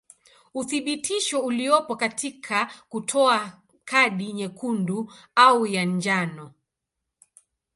Uthibitisho uliopo katika kutoa kadi nyekundu au ya njano.